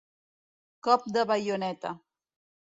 Cop de baioneta.